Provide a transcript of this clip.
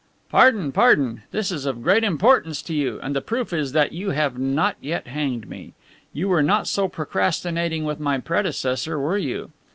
"Pardon, pardon. This is of great importance to you and the proof is that you have not yet hanged me. You were not so procrastinating with my predecessor, were you?